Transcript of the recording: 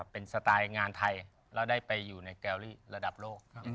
เป็นสไตล์งานไทยแล้วได้ไปอยู่ในแกวลี่ระดับโลก